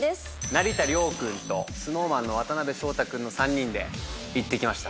成田凌君とＳｎｏｗＭａｎの渡辺翔太君の３人で行ってきました。